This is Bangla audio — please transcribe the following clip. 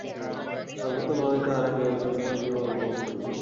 সর্বতোভাবে তাহারা কেবল সুখময় জীবন উপভোগ করিবে।